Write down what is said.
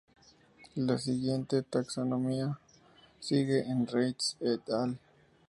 La siguiente taxonomía sigue a Reisz "et al.